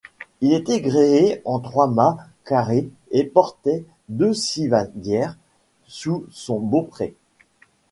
Il était gréé en trois-mâts carré et portait deux civadières sous son beaupré.